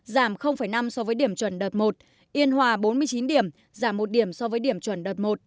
giảm năm so với điểm chuẩn đợt một yên hòa bốn mươi chín điểm giảm một điểm so với điểm chuẩn đợt một